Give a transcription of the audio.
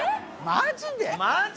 ・マジで？